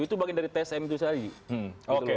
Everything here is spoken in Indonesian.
itu bagian dari tsm itu saja